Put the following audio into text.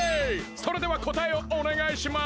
それではこたえをおねがいします！